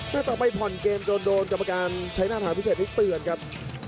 ต่อไปผ่อนเกมโดนกรรมการใช้หน้าฐานพิเศษให้เตือนครับ